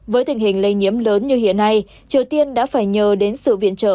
với tình hình lây nhiễm lớn như hiện nay triều tiên đã phải nhờ đến sự viện trợ